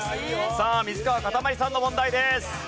さあ水川かたまりさんの問題です。